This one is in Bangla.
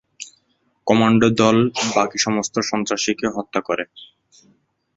কমান্ডো দল বাকি সমস্ত সন্ত্রাসীকে হত্যা করে।